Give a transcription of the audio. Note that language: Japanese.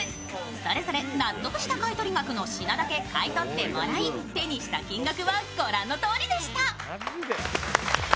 それぞれ納得した買取額だけ買い取ってもらい手にした金額はご覧のとおりでした。